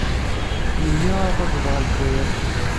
Melmi ara d-taseḍ ɣer Zzayer?